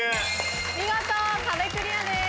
見事壁クリアです。